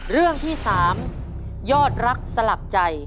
เรื่องที่๓ยอดรักสลับใจ